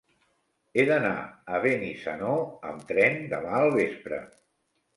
He d'anar a Benissanó amb tren demà al vespre.